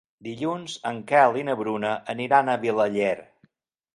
Dilluns en Quel i na Bruna aniran a Vilaller.